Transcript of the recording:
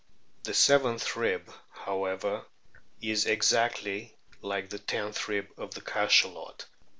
The seventh rib, how ever, is exactly like the tenth rib of the Cachalot.